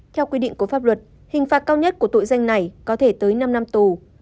theo quy định của pháp luật hình phạt cao nhất của tội danh này có thể tới năm năm tù